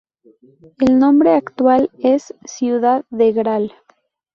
El nombre actual es "Ciudad de Gral.